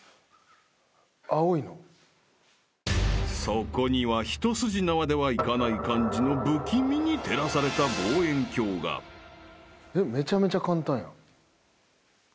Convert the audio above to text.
［そこには一筋縄ではいかない感じの不気味に照らされた望遠鏡が］めちゃめちゃ簡単やん。